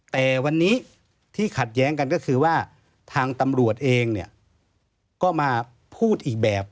แต่วันนี้ที่ขัดแย้งกันก็คือว่าทางตำรวจเองเนี่ยก็มาพูดอีกแบบ